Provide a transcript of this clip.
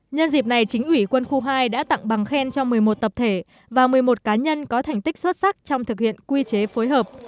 nhân dịp này chính ủy quân khu hai đã tặng bằng khen cho một mươi một tập thể và một mươi một cá nhân có thành tích xuất sắc trong thực hiện quy chế phối hợp